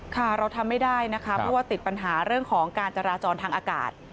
ค่ะเราทำไม่ได้นะคะเพราะว่าติดปัญหาเรื่องของการจราจรทางอากาศ